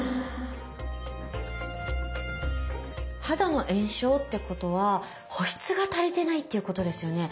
肌の炎症ってことは保湿が足りてないっていうことですよね？